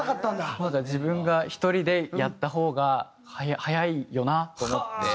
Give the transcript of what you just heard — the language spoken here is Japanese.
まだ自分が１人でやった方が早いよなと思って。